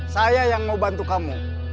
saya yang mau bantu kamu